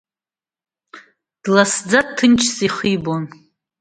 Дласӡа, дҭынчӡа ихы ибон.